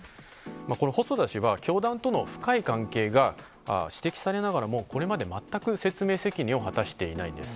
この細田氏は、教団との深い関係が指摘されながらも、これまで全く説明責任を果たしていないんです。